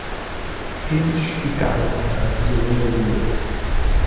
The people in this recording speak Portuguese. Eles ficaram parados olhando a lua.